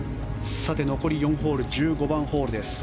残り４ホール１５番ホールです。